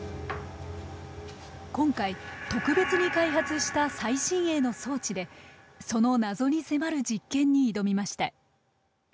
今回特別に開発した最新鋭の装置でその謎に迫る実験に挑みました。